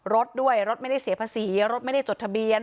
รถด้วยรถไม่ได้เสียภาษีรถไม่ได้จดทะเบียน